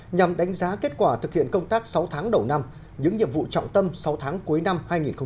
nhằm đánh giá kết quả thực hiện công tác sáu tháng đầu năm những nhiệm vụ trọng tâm sáu tháng cuối năm hai nghìn hai mươi